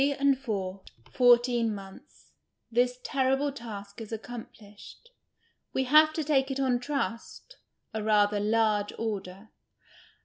161 M PASTICHE AND PREJUDICE (fourteen months) this terrible task is accompHshcd. Wc have to take it on trust, a rather " large order."